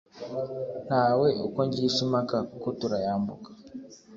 Ntawe ukongisha impaka kuko turayambuka,